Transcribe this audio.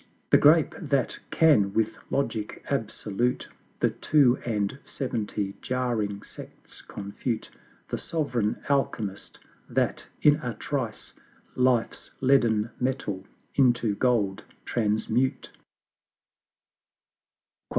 The Grape that can with Logic absolute The Two and Seventy jarring Sects confute: The sovereign Alchemist that in a trice Life's leaden metal into Gold transmute; LX.